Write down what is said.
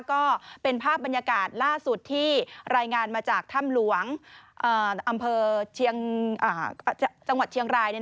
ก็เป็นภาพบรรยากาศล่าสุดที่รายงานมาจากถ้ำหลวงอ่าอำเภอเชียงอ่า